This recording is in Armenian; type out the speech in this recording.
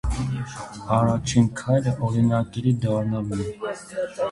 Առաջին քայլը օրինակելի դառնալն է։